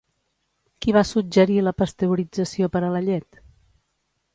Qui va suggerir la pasteurització per a la llet?